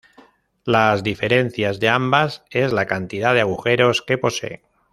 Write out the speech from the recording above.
Las diferencias de ambas es la cantidad de agujeros que poseen.